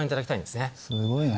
すごいね。